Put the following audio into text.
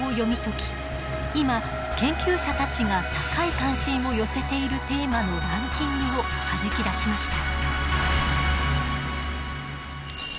今研究者たちが高い関心を寄せているテーマのランキングをはじき出しました。